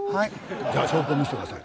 じゃあ証拠を見せてください。